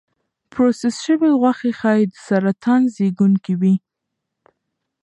پروسس شوې غوښې ښایي سرطان زېږونکي وي.